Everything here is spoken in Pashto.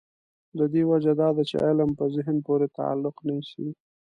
د دې وجه دا ده چې علم په ذهن پورې تعلق نیسي.